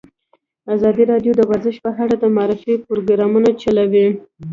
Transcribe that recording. ازادي راډیو د ورزش په اړه د معارفې پروګرامونه چلولي.